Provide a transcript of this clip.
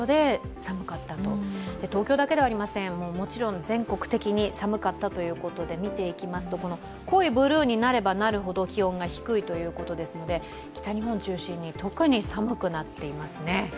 東京だけではありませんもちろん全国的に寒かったということで見ていきますと、濃いブルーになればなるほど気温が低いということですので、北日本を中心に特に寒くなっていますね。